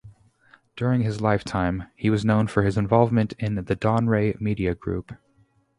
During his lifetime, he was known for his involvement in the Donrey Media Group.